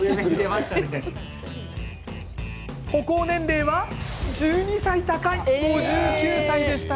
歩行年齢は１２歳高い５９歳でした。